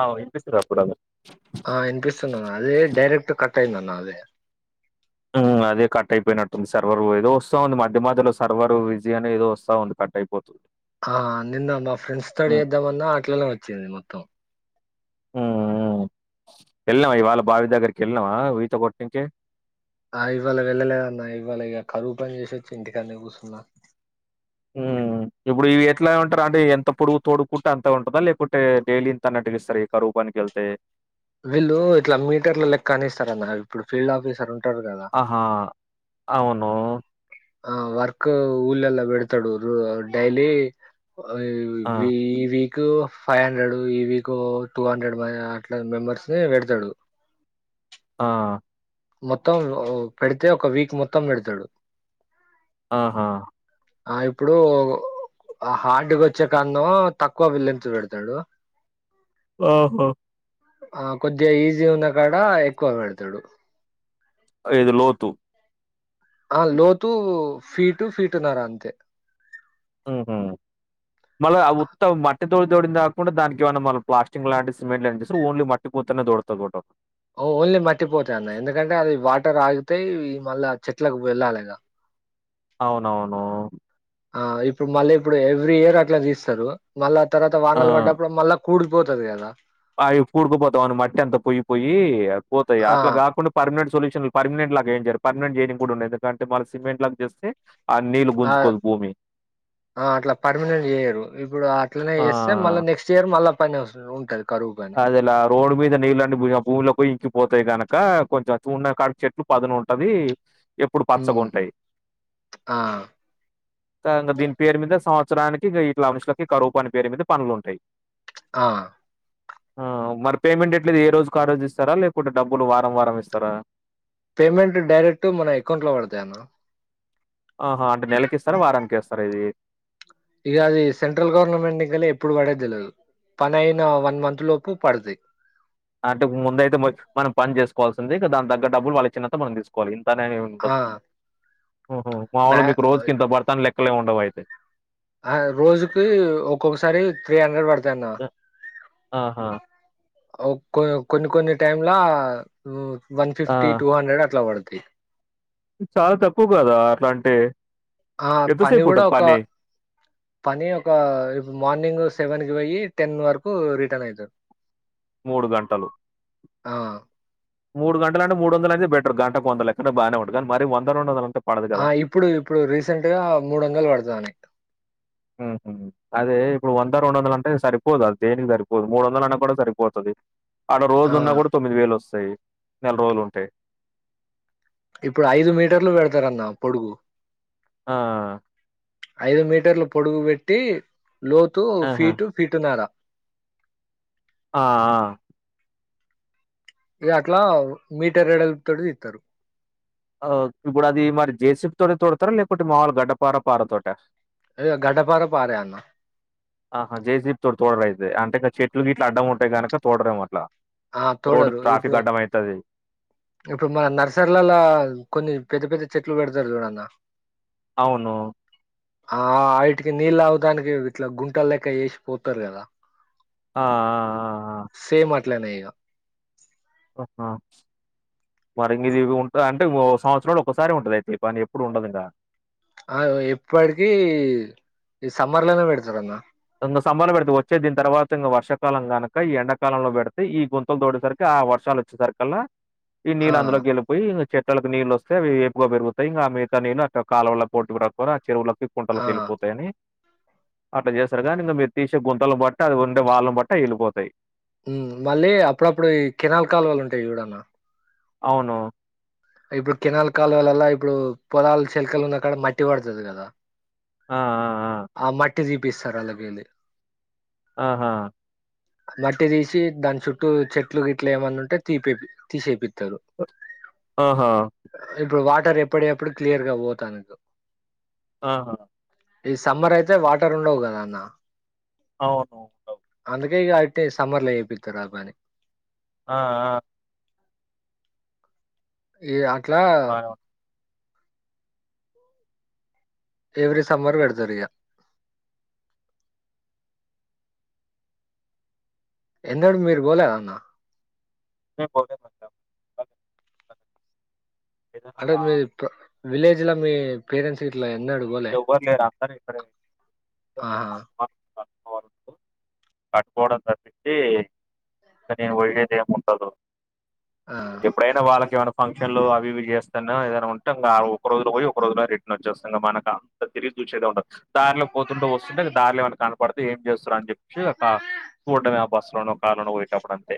ఆ వినిపిస్తది అప్పుడలా ఆ వినిపిస్తున్నాను అదే డైరెక్ట్ కట్ అయిదన్న అదే ఉమ్ అదే కట్ అయిపోయినట్టుంది సర్వర్ ఏదో వస్తా ఉంది మధ్య మధ్యలో సర్వర్ విజి అనే ఏదో వస్తా ఉంది టైపోతుంది ఆ నిన్న మా ఫ్రెండ్స్ తోడి చేద్దామన్నా అట్లనే వచ్చింది మొత్తం ఉ ఉ వెళ్ళినమా ఇవాళ బావి దగ్గరికి వెళ్ళినవా ఈత కొట్నికి ఆ ఇవాళ వెళ్ళలేదన్న ఇవాళ ఇగా కరువు పని చేసొచ్చి ఇంటికాన్నే కూర్చున్నా ఉ ఇప్పుడు ఇవి ఎట్లా ఉంటారు అంటే ఎంత పొడువ్ తోడుకుంటా అంత ఉంటదా లేకుంటే డైలీ ఇంత అన్నటు ఇస్తారా కరువు పనికి వెళ్తే వీళ్ళు ఇట్లా మీటర్ల లెక్క అని ఇస్తారన్న ఇప్పుడు ఫీల్డ్ ఆఫీసర్ ఉ ఆహా అవును ఆ వర్క్ ఊళ్ళల్లో బెడతాడు రు డైలీ ఆ ఆ వి వీకు ఫైవ్ హండ్రెడ్ ఈవీక్ టూ హండ్రెడ్ బయ అట్లా మెంబర్స్ ని పెడతాడు ఆ మొత్తం పెడితే ఒక వీక్ మొత్తం పెడతాడు ఆహా ఆ ఇప్పుడు ఆ హార్డ్కొచ్చే కన్న తక్కువ విల్లంత పెడతాడు ఓహో ఆ కొద్దిగా ఈజీగా ఉన్నా కాడ ఎక్కువ పెడతాడు ఐదు లోతు. ఆ లోతు ఫీటు ఫీటున్నారా అంతే. ఆహా. మళ్ళా ఉత్త మట్టి తోడి తోడింది కాకుండా దానికెమన్నా మల్లా ప్లాస్టింగ్ లాంటి సిమెంట్ లాంటి ఓన్లీ మట్టి. తోనే దొడ్తబోట. ఓ ఓన్లీ మట్టిపోతెన్న ఎందుకంటే అది వా. ట్టర్ ఆగితే మళ్ళా చెట్లకు వెళ్ళాలగా. అవునవును. ఆ ఇప్పుడు మళ్ళీ ఇప్పుడు ఎవ్రీ ఇయర్ అట్లా దీస్తారు మళ్ళా ఆ తర్వాత వానాలు బడ్డప్పుడు మళ్ళా. కూడిపోతది గదా. అవి కూడుకుపోతావని మట్టంతా పొయి పోయీ. పోతాయి ఆ అట్లా గాకుండా పెర్మినెంట్ సొల్యూషన్లు పర్మినంట్లాగెం జర్. పర్మనెంట్ జేనిగూడుండది ఎందుకంటే మళ్ళీ సిమెంట్ లా జేస్తే ఆ నీళ్లు ఆ గుంజుకోదు భూమి. ఆ అట్లా పర్మనెంట్ జేయర్ ఇప్పుడు అట్లనే ఆ! జేస్తే మళ్ళా నెక్స్ట్ ఇయర్ మళ్ళా. [unintelligible] ఉంటది. కరువు పని అదెలా రోడ్డు మీద నీళ్ళాని బోయి ఆ భూమిలోకొయి ఇంకి. పోతాయి కనకా కొంచెం చూడ్నాకాడ చెట్లు పదునుంటది. ఎప్పుడు ఉమ్ పచ్చగుంటాయి. ఆ ఆ ఇంగా దీని పేరు మీద సంవ. చ్చడానికిగా ఇట్ల మనుషులకి కరూపని పేరు మీద పనులుంటాయి. ఆ. ఆ మరి పేమెంట్ ఎట్లది ఏ రోజు కారోజిస్తారా లేకుంటే డబ్బులు వారం వారం ఇస్తారా. పేమెంట్ డైరెక్ట్ మన అకౌంట్లో బడతాయన్న. ఆహా అంటే నెలకిస్తార, వారానికెస్తార ఇది. ఇగా అది సెంట్రల్ గవర్నమెంట్ నికలి ఎప్పుడు బడేదెల్వదు. పనైన వన్ మంత్ లోపు పడతయ్. అంటే ముందైతే మా మనం పని జేసుకోవాల్సింది ఇక దాని దగ్గ డబ్బులు వాళ్ళిచిన్నంత మనం దీసుకోవాలి ఇన్. తనేమీ ఉండదు. ఆ ఊహు మ్యా మామూలు మీకు రోజు కింత బడతాను లెక్కలే ఉండవు అయితే. ఆ రోజుకి ఒక్కొక్కసారి త్రీ హండ్రెడ్ పడతాయాన్న. అ ఆహా. ఒక్కో కొన్ని కొన్ని టైంలా వన్ ఆ ఫిఫ్టీ, టూ హండ్రెడ్ అట్లా పడ్. టీ. చాలా తక్కువ కదా అట్లాంటే. ఆ పని గుడా ఒక, పని ఒక ఇప్పు మార్నింగ్ సెవెన్. పోయి టెన్ వరకు రిటర్న్ అయితరు. మూడు గంటలు. ఆ మూడు గంటలంటే మూడు వందలు అయితే బె. గంటకు వంద లెక్కన బానే ఉంటది మరి వంద రెండోందలం. ఆ ఇప్పుడు, ఇప్పుడు రీసెంట్ గా మూడోందలు పడ్తదని. ఊహూ అదే ఇప్పుడు వంద రెండొందలంటే సరిపోదు అది దేనికి సరిపోదు మూడొందలు అన్నా కూడా సరిపోతది. ఆడా ఆ రోజున్నా గూడా తొమ్మిది వేలోస్సయి నెల్రోలుంటె. ఇప్పుడు ఐదు మీటర్లు బెడతరన్న పొడుగు. ఆ. ఐదు మీటర్లు పొడుగు బెట్టి, లోతు ఆహా ఫీటు ఫీటున్నారా. ఆ ఆ. ఇగా అట్లా మీటర్ ఎడల్పు తోటి దిత్తరు. ఆ ఇప్పుడది మరి జేసిప్ తోటె తోడతారా లేకపోతే మామూలు గడ్డపార, పార తోటా. ఏ గడ్డ పార పారేన్న. ఆహా జైసీప్ తోడు తోడరైతే అంటే చెట్లు గీట్లు అడ్డం ఉంటాయి కనుక తోడరం అట్లా ఆ రోడ్ తోడరు ట్రాఫిక్ ఇప్పుడు అడ్డం అవుతది ఇప్పుడు మన నర్సరీలలో కొన్ని పెద్ద పెద్ద చెట్లు పెడతరు చూడన్న అవును ఆ వా ఇటికి నీళ్ళు అవదానికి ఇట్లా గుంటల లెక్క వేసి పోతరు కదా ఆ ట్లనేయగా ఆహా మరి ఇది ఉంట అంటే సంవత్సరంలో ఒకసారి ఉంటద అయితే పని ఎప్పుడు ఉండదు ఇంకా ఆ ఇప్పటిక ఈ సమ్మర్ లోనే పెడతారు అన్న సంబర్ పెడితే వచ్చే దీని తర్వాత ఇంకా వర్షకాలం కనక ఈ ఎండాకాలంలో పెడితే ఈ గుంతలు తోడేసరికి వర్షాలు వచ్చే సరికల్ ఈ ఆ నీళ్ళ అందులోకి వెళ్ళిపోయి చెట్లకు నీళ్ వస్తే అవి వేపుగా పెరుగుతాయి ఇంక మిగతా నీళ్ కాల వల్ళ పోటుకు రాక చెరువులకి ఆ కుంటలకు వెళ్ళిపోతాయని అట్ చేస్ గా ఇంక మెత్త తీసే గుంతలు బట్ట అది ఉండే వాళ్ళను బట్ట వెళ్ళిపోతయి. మళ్ళీ అప్పుడప్పుడు ఈ కినాల్ కాలు వలు ఉంటాయి చూడన్న అవును ఇప్పుడు కెనాల్ కాలు వలల్ల ఇప్పుడు పొలాలు చెల్కలు ఉన్న కాడ మట్టి పడుతది కదా ఆ ఆ మట్టి తీపిస్తరు అల్లకేలి ఆహా మట్టి తీసి దాని చుట్టూ చెట్లు గ ఇట్లా ఏమన్నా ఉంటే తీపే తీసేపిద్ ఆహా! ఇప్పుడు వాటి అంటారు ఎప్పుడ ఎప్పుడు క్లియర్ గా పోతానుకు ఆ ఈ సమ్మర్ అయితే వాటర్ ఉండవు కద అన్న అవును అందుకే ఇక అయితే సమ్మర్ ల చేపిత్తరా మరి ఆ ఆ ఈ అట్లా బానే ఉంటది. ఎవ్రీ సమ్మర్ పెడుతర్ ఇగా ఎన్నడు మీరు బోలేన్నా ఎ పోలే అంటే మీ విలేజ్ మీ పేరెంట్స్ గిట్లా ఎన్నడు పోలే ఎవ్వరు లేరు అందరూ ఇక్కడే ఇంట్లో ఆ మా అత్తమామ కట్టుకోవడం తప్పించి కానీ వెళ్ళేది ఏముండదు ఆ ఎప్పుడైనా వాళ్ళకి ఏమై ఫంక్ష న్లు అవి ఇవి చేస్తాను ఏద ఉంట ఇం ఒక రోు పోయి ఒక రోజు రిటర్న్ వచ్చేస్తు ఇ మనకి తిరిగి చూసేద ఉండదు దారిలో పోతుంటూ వస్తుంటే దారిలో ఏమైనా కనపడితే ఏం చేస్తార అని చెప్పి ఒక కూటమి అభస్లో కాలన పోయేటప్పుడంతే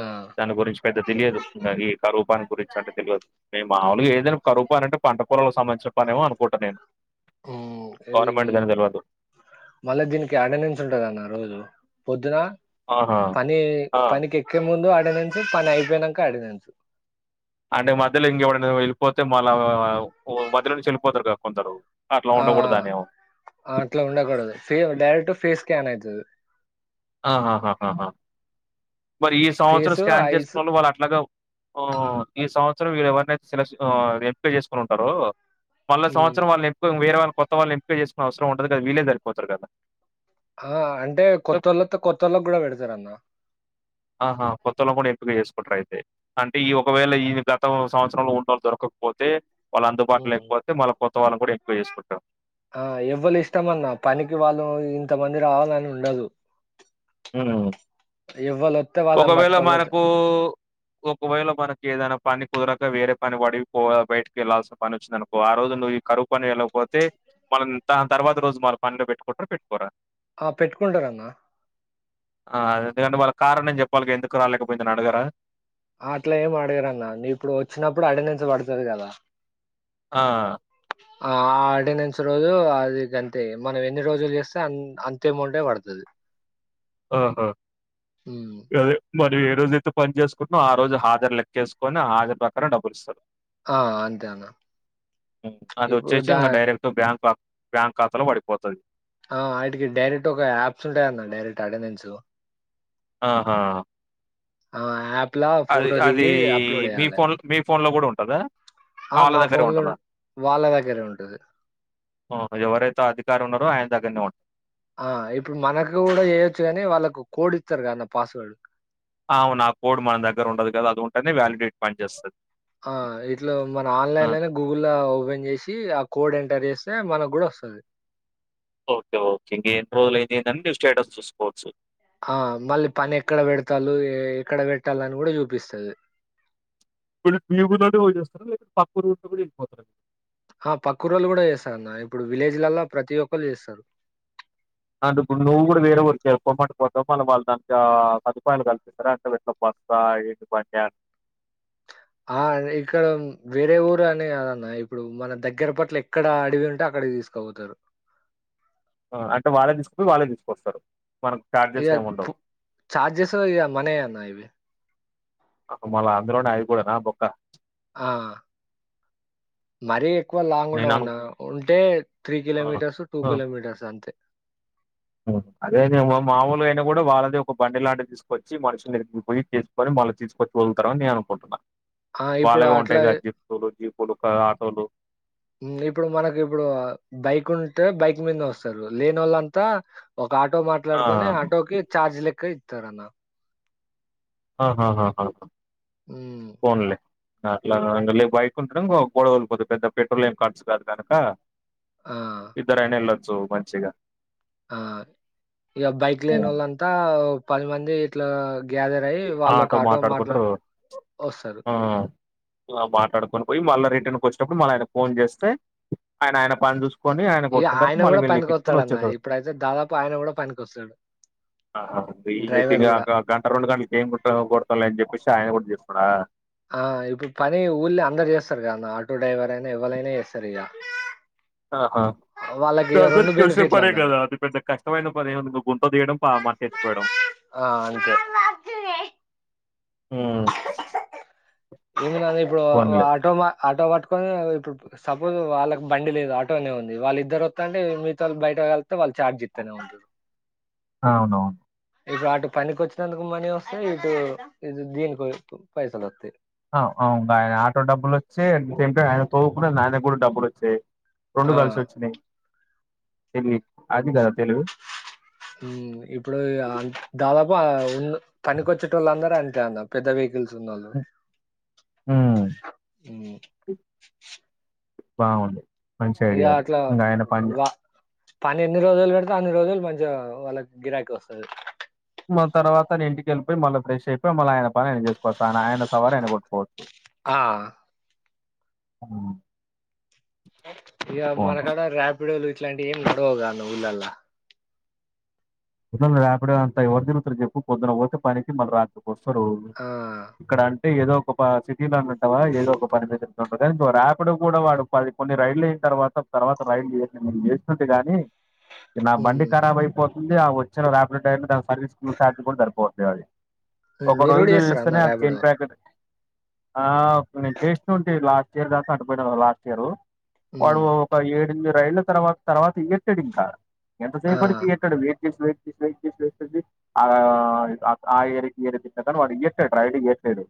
ఆ దాని గురించి పెద్ద తెలియదు ఇంకా ఈ కరువు పని గురించి అంటే తెలియదు మే మాములుగా ఏదైనా కరూ పని అంటే పంట పొలలకు సంబంధించిన పని ఏమో అనుకుంటా నేను గవర్మెంట్ దని తెలువదు మళ్ళ దీనికి అటెండెన్స్ ఉంటదన్న రోజు పొద్దున ఆహా పని ఆ పనికి ఎక్కే ముందు అడనించు పని అయిపోయినాక అడనించు అంటే మధ్యలో ఇంకెవడన్న వెళ్ళిపోతే మళ్ళా మధ్యలో నుంచి వెళ్ళిపోతారు కద కొందరు అట్లా ఆ ఉండకూడదనేమో అట్లా ఉండకూడదు ఫే డైరెక్ట్ ఫేస్ స్కాన్ అయితది అ హ హ హ మరి ఈ సంవత్సరం ఫేస్ స్కాన్ ఐస్ చేసుకున్నోళ్ళు వాళ్ళు అట్లాగా ఆ ఈ సంవత్సరం మీర్ ఎవరినైతే సెలక్షన్ ఆ ఎంపీక చేసుకుని ఉంటారో మళ్ళ ఉమ్ సంవత్సర వాళ్ళ ఎంపిక వేరేళ్ళ కొత్త వాళ్ళ ఎంపిక చేసుకోనసవరం ఉండదు కద వీలేే సరిపోతారు కదా ఆ అంటే కొతోళ్ళతో కొత్త వాళ్ళకి కూడా పెడతారు అన్న ఆహా కొత్తలో కూడా ఏం పీక చేసుకుంటారు అయితే అంటే ఈ ఒకవేళ ఈ గతం సంవత్సరంలో ఉండలు దొరకకపోతే వాళ్లు అందుబాటులో లేకపోతే మల్ల కొత్త వాళ్ళన్ కూడా ఎంపిక చేసుకుంటాం ఆ ఎవ్వలు ఇష్టమన్న పనికి వాళ్ళు ఇంత మంది రావాలని ఉండదు మ్మ్ ఎవ్వలు వస్తే వాళ్ళని ఒకవేళ పట్టుకపోతే మనకు ఊ ఒకవేళ మనకు ఏదైన పని కుదరక వేరే పని పడి పొ బయటకి వెళ్ళాల్సిన పని వచ్చింది అనుకో ఆ రోజు నువ్వు ఈ కరువు పని ఏళ్ళకపోతే మనం త తర్వాత రోజు మన పనిలో పెట్టుకుంట్ర పెట్టుకోరా ఆ పెట్టుకుంటారన్న ఆ అదే ఎందుకంటే వాళ్ళకు కారణం చెప్పాలి ఎందుకు రాలేకపోయిందని అడుగారా ఆ అట్ల ఏమ్ అడుగరన్నా ఇప్పుడు వచ్చినప్పుడు అటెండెన్స్ పడుతది గదా ఆ ఆ అటెండన్స్ రోజు అది గంతే మనం ఎన్ని రోజులు చేస్తే అన్ అంతే అమౌంటే పడుతది ఓ హొ ఉమ్ గదే మరివేర్ ఈ రోజుయితే పని చేసుకుంటునో ఆ రోజు హజరు లెక్కేసుకుని ఆ హజరు ప్రకారం డబ్బులు ఇస్తారు ఆ అంతే అన్న మ్ అది ఇప్పుడు వచ్చేసి దా ఇంగ డైరెక్ట్ బ్యాంక్ అకౌ బ్యాంక్ ఖాతాలో పడిపోతది ఆ ఆటికి డైరెక్ట్ ఒక యాప్స్ ఉంటాయన్న డైరెక్ట్ అటెండెన్స్ ఆహా ఆ యాప్ లా అది ఫోటో అది దిగి అప్లోడ్ ఇ మీ చేయాలి ఫోన్ మీ ఫోన్ లో కూడా ఉంటదా ఆ వాళ్ళ మా దగ్గరే ఫోన్ లో ఉంటదా వాళ్ళ దగ్గరే ఉంటది మ్ ఎవరైతే అధికారీ ఉన్నారో ఆయన దగ్గరనే ఉంటది ఆ ఇప్పుడు మనకు కూడా చేయొచ్చు కాని వాళ్ళకు కోడ్ ఇత్తరు గదన్న పాస్వర్డ్ అవున ఆ కోడ్ మన దగ్గర ఉండదు గదా అది ఉంటేనే వ్యాలిడేట్ పనిచేస్తది ఆ ఇట్ల మన ఆన్లైన్లోనే గూగుల్ లో ఓపెన్ చేసి ఆ కోడ్ ఎంటర్ చేస్ టే మనకు గుడ వస్తది ఓకే ఓకే ఇంక ఏన్ని రోజులైంది ఎందని స్టేటస్ చూసుకోవచ్చు ఆ మళ్ళీ పని ఎక్కడ పెడుతళ్లు ఏ ఎక్కడ బెట్టాలని గుడ చూపిస్తది [inaudible] కొ ఈ ఊరిలోనే పోయి చేస్తారా లేకపోతే పక్క ఊరులో కూడా వెళ్ళిపోతారా ఆ పక్క ఊర్లో కూడా చేస్తారన్న ఇప్పుడు విలేజిలల్లా ప్రతి ఒక్కళ్లు చేస్తారు అంటె ఇప్ నువ్వు కూడా వేరే ఊరుక్ పోమంటే పోతావ మళ్ళ వాళ్ దానికా ఆ సదుపాయలు కల్పిస్తారా అంటు ఇట్ల ప సాహిత్ పటాన్ [inaudible] ఆ అదే ఇక్కడ మ్ వేరే ఊరు అనే గాదన్న ఇప్పుడు మన దగ్గర పట్ల ఎక్కడ అడివి ఉంటే అక్ అక్కడికి తీసుకపోతరు మ్ అంటే వాళ్ళే తీసుకుపోయి వాళ్ళే తీసుకొస్తరు ఇగ పు చార్జెస్ ఇగ మనయే అన్న ఇవి మళ్ళ అందులోనే అయిపోయానా బొక్క ఆ మరి ఏక్ ఎక్కువ లాంగ్ నేను అను ఉండదన్న ఉంటే త్రీ ఆ! కిలోమీటర్స్ టూ కిలోమీటర్స్ అంతే మ్ అదే అదే మా మాముూలు అయినా కూడా వాళ్ళది ఒక బండి లాంటిది తీసుకొచ్చి మనుషుని మీదికి పోయి తీసుకొని వాళ్ళు తీసుకొచ్చి తోళ్తారని నేను అనుకుంటున్నా ఆ! ఇప్పుడు వాళ్ళవే అట్లా ఉంటవి గద్ జిప్లు జీపులు క ఆటోలు మ్ ఇప్పుడు మనకి ఇప్పుడు అ బైక్ఉంట్ తే బైక్ మీద వస్తారు లేనోళ్ళంతా ఒక ఆటో ఆ మాట్లాడుకుని ఆటోకి చార్జ్ లెక్క ఇ తరన్నా ఆహా హా హా హా హ్ హ్మ్ అ అట్లగా ఇగ లే బైక్ ఉంటెనోమ్ బా గొడవళ్ పోతు పెద్దగా పెట్రోల్ ఏం ఖర్చు కాదు గనుక ఆ! ఇద్దరనేలచ్చూ మంచించిగా ఆ ఇక బైక్ లేని ఉమ్. వాళ్ళంతా పది మంది ఇట్లా గ్యాదర్ అయ్యి వాళ్ళు ఒక ఆటో మాట్లా వస్తారు మాట్లాడుకుని పోయి మళ్ళా రిటర్న్ కు వచ్చినప్పుడు మళ్ళీ ఆయన ఫోన్ చేస్తే ఆయన ఆయన పని చూసుకు ఇ ఆయన కూడా పనికకో స్తాడు అన్న ఇప్పుడైతే దాదాపు ఆయన కూడా పనికి వస్తాడు ఆహా లిఫ్టింగ్ కాక గంట రెండు కానీ ఏం కు కొడతాల అని చెప్పేసి ఆయన కూడా చెస్తుడా ఆ ఇప్పుడు పని ఊళ్ళ అందరు చేస్తారు కదన్న ఆటో డ్రైవర్ అయినా ఎవ్వరైనా చేస్తారు ఇక ఆహా తెలిసే బెనిఫిట్లు పరే అన్నాడు కదా అది పెద్ద కష్టమైన పని ఏంది ఇంకా గుొంత తీయడం మాట్ ఎత్పోయడం ఆ ఉ ఏమి ఇప్పుడు ఆటో మా ఆటో కని ఇప్పుడు సపోజ్ వాళ్ళకు బండి లేదు ఆటో అనే ఉంది వాళ్ళ ఇద్దరు వస్తుంటే మీతో వా బయట చె వాళ్ ఛార్జ్ ఇస్తారు అవునవును ఇటు అటు పనికి వచ్చినందుకు మనీ వస్తేయి ఇటు ఇ దీనికి పైసలు వస్తాయి ఆ అవు ఆయన ఆటో డబ్బులు వచ్చే సే టై ఆయన తో కూడా ఆయన కూడా డబ్బులు వచ్చాయి ఆ రెండు కలిసి వచ్చినాయి తెలివి అది కదా తెలుగు ఇప్పుడు దాదాపు ఉ తనిఖ వచ్చేట వాళ్ళు అందర అంతే అంద పెద్దవియ ఉమ్ [unintelligible] బాగుంది మంచి ఐడియాది ఇంకా ఆయన పని వా పని ఎన్ని రోజులు పెడితే అన్ని రోజులు మంచిగా వాళ్ళకి గిరాకీ వస్తుంది మన తర్వాత ఇంటికిపోయి మళ్ళీ ఫ్రెష్ అయి మళ్ళీ ఆయనని ఆన చేసుకోవచ్చు ఆయన సవారి ఆయన కొట్టుకోవచ్చు ఆ ఆ ఇక మనకాడ రార్పిడోలు ఇట్లాంటివి ఏం వుండవుగా ఊళ్ళలా పేపంత ఎవరు తిగుతరు చెప్పు పొద్న్నఓ పనికి మళ్ళ రాదు వస్తరు ఆ ఇక్కడ అంటే ఏదో ఒక సిటీలో అన్నంటావా ఏదో ఒక పనిమిద ఉంటుంది రార్పిడ్ కూడా వాడు పది కొన్ని రైళ్లు తర్వాత తర్వాత రైడ్ ఏర్ మీరు చేస్తున్టీ గాని నా ఉమ్ బండి ఖరాబ్ అయిపోతుంది వచ్చిన ప్లో టై దాని సర్వీస్ క చూసా కూడా సరిపోతుంది అది ఉమ్, ఒక మీరు రోజు కూడా చేస్తారా చూస్తేనే అన్న ఆ చెన్ ర్యాపిడో ప్యాకెట్ ఆ నేను చేస్త ఉంటే లాస్ట్ ఇయర్ దాకా అంటపోయి లాస్ట్ ఇయర్ వాడు ఉమ్ ఒక ఏడి ఎనిమిది రైళ్ల తర్వాత తర్వాత ఈట్టాడు ఇంకా ఆ ఎంతసేపటికి ఎక్కడు వెయిసి వెయి వెయిస్తాడి సరు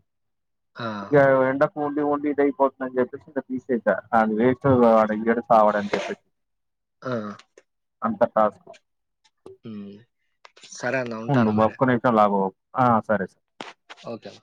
ఆ ఇగ ఎండకు ఉండి ఉండి ఇది అయిపోతుంద అని చెప్పేసి ఇంక తీసేస అది వేస్ట్ పైగడు సావడని చెప్ప ఆ అంతర్ టాస్క్ ఉ ఉండు బక్కన్నాయితే లాగు ఆ సరే ఓకే